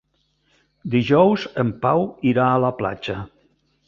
Dijous en Pau irà a la platja.